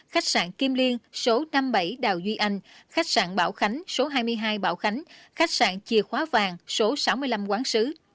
khách sạn kim liên số năm mươi bảy đào duy anh khách sạn bảo khánh số hai mươi hai bảo khánh khách sạn chìa khóa vàng số sáu mươi năm quán sứ